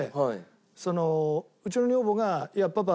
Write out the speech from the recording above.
うちの女房が「いやパパ。